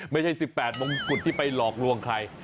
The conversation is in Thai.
ไม่ใช่๑๘มงกุฎที่ไปหลอกลวงใคร